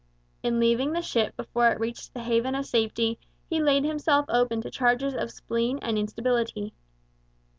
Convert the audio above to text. In leaving the ship before it reached the haven of safety he laid himself open to charges of spleen and instability.